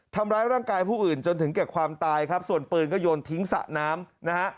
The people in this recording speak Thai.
ทำร้ายร่างกายผู้อื่นจนถึงแก่ความตายครับส่วนปืนก็โยนทิ้งสระน้ำนะฮะ